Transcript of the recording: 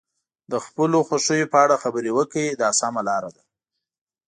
د خپلو خوښیو په اړه خبرې وکړئ دا سمه لاره ده.